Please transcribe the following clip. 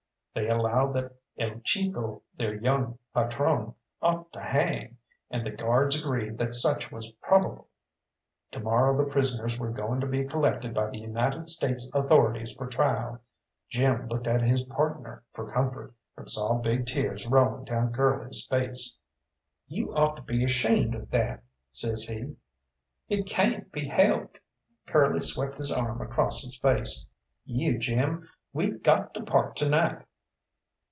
They allowed that el Chico their young patrone ought to hang, and the guards agreed that such was probable. To morrow the prisoners were going to be collected by the United States authorities for trial. Jim looked at his partner for comfort, but saw big tears rolling down Curly's face. "You ought to be ashamed of that," says he. "It cayn't be helped." Curly swept his arm across his face. "You Jim, we got to part to night."